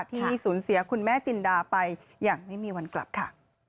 ที่สูญเสียคุณแม่จินดาไปอย่างไม่มีวันกลับค่ะ